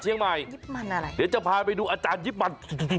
เดี๋ยวจะพาไปดูอาจารย์ยิบมัน